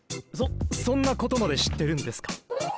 そそんなことまで知ってるんですか。